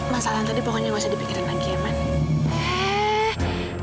masalah tadi pokoknya nggak usah dipikirin lagi ya man